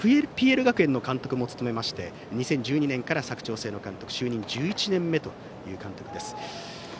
ＰＬ学園の監督も務めまして２０１４年から佐久長聖の監督就任１１年目という監督です。